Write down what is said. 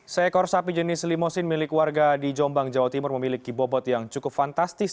seekor sapi jenis limosin milik warga di jombang jawa timur memiliki bobot yang cukup fantastis